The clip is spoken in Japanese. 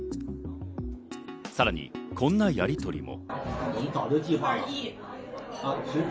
さらにこんなやりとりも。